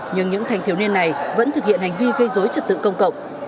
nhưng những thanh thiếu niên này vẫn thực hiện hành vi gây dối trật tự công cộng